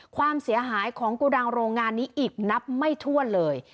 ความเสียหายของกระดังโรงงานนี้อีกนับไม่ถ้วนเลย